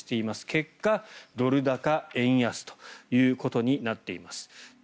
結果、ドル高・円安ということになっています。